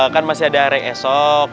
kan masih ada hari esok